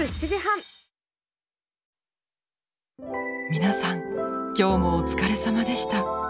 皆さん今日もお疲れ様でした。